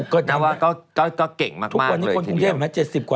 ก็เก่งมากเลยทีเดียว